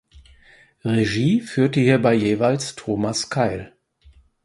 Regie führte hierbei jeweils Thomas Kail.